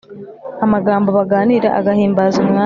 amagambo baganira agahimbaza umwami,